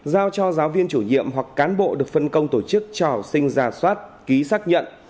giao cho giáo viên chủ nhiệm hoặc cán bộ được phân công tổ chức trò sinh ra soát ký xác nhận